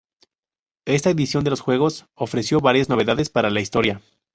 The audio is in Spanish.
Esta edición de los Juegos ofreció varias novedades para la historia.